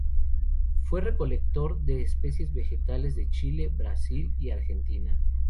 Fue recolector de especies vegetales de Chile, Brasil, y Argentina.